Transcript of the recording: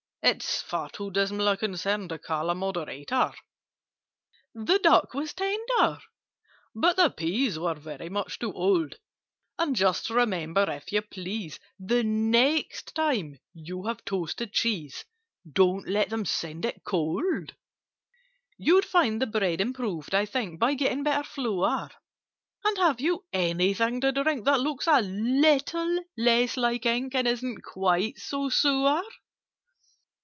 (It's far too dismal a concern To call a Moderator). "The duck was tender, but the peas Were very much too old: And just remember, if you please, The next time you have toasted cheese, Don't let them send it cold. "You'd find the bread improved, I think, By getting better flour: And have you anything to drink That looks a little less like ink, And isn't quite so sour?"